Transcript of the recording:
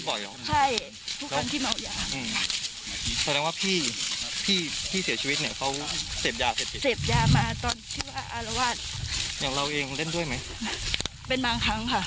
บ่อยใช่ที่เสียชีวิตเฝ็ดอย่างเราเองเล่นจึงด้วยไหมเป็นบาง